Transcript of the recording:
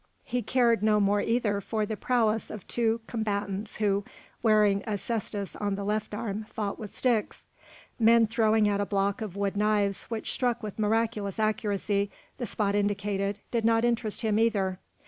He cared no more either for the prowess of two combatants who, wearing a cestus on the left arm, fought with sticks. Men throwing at a block of wood knives which struck with miraculous accuracy the spot indicated did not interest him either.